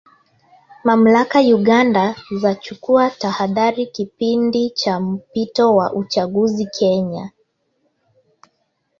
Mamlaka Uganda zachukua tahadhari kipindi cha mpito wa uchaguzi Kenya